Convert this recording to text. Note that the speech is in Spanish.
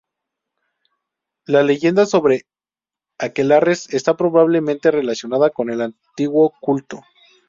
La leyenda sobre aquelarres está probablemente relacionada con el antiguo culto.